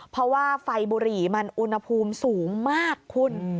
เพราะว่าไฟบุหรี่มันอุณหภูมิสูงมากคุณ